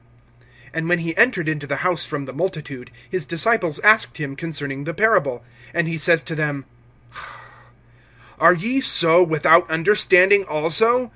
(17)And when he entered into the house from the multitude, his disciples asked him concerning the parable. (18)And he says to them: Are ye so without understanding also?